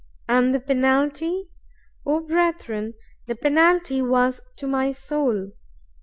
And the penalty, O brethren, the penalty was to my soul!